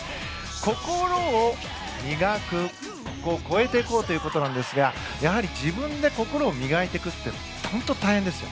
心を磨く超えていこうということですがやはり自分で心を磨いていくというのは本当に大変ですよ。